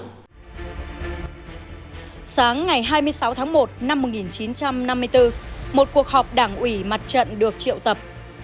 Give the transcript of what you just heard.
sáng ngày hai mươi sáu tháng một năm một nghìn chín trăm năm mươi bốn một cuộc họp đảng ủy mặt trận được triệu tập